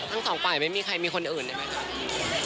ทั้งสองฝ่ายไม่มีใครมีคนอื่นเลยไหมคะ